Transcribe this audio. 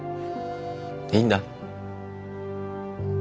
いいんだ。